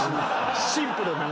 シンプルな。